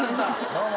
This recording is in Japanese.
どうも。